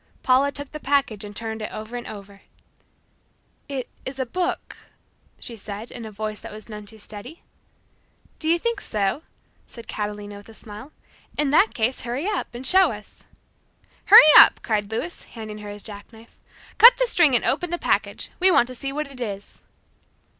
Paula took the package and turned it over and over. "It is a book," she said in a voice that was none too steady. "Do you think so?" said Catalina with a smile. "In that case hurry up, and show us." "Hurry up," cried Louis, handing her his jack knife. "Cut the string and open the package. We want to see what it is."